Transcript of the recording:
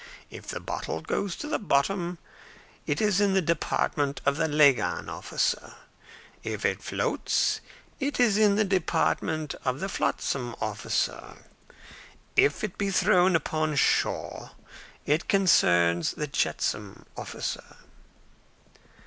If the bottle goes to the bottom, it is in the department of the lagan officer; if it floats, it is in the department of the flotsam officer; if it be thrown upon shore, it concerns the jetsam officer."